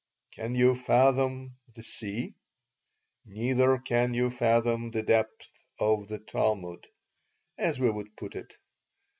"Can you fathom the sea? Neither can you fathom the depths of the Talmud," as we would put it.